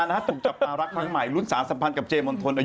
หนุ่มตกใจทำไมจะไม่อ่านข้ามตกใจ